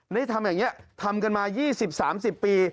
นี่ทำอย่างเงี้ยทำกันมายี่สิบสามสิบปี